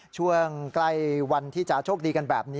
ช่วงใกล้วันที่จะโชคดีกันแบบนี้